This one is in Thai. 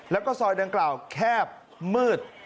แล้วก็ซอยดังกล่าวแคบมืด